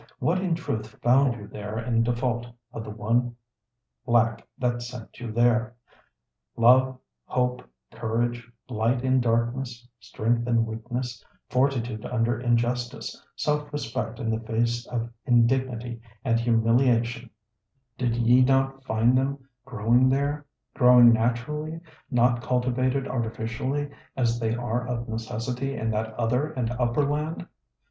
What in truth found you there in default of the one lack that sent you there ? Love, hope, courage, light in darkness, strength in weakness, fortitude under injustice, self respect in the face of indignity and humili ation — did ye not find them growing there, growing naturally, not cultivated artificially as they are of neces sity in that other and upper land?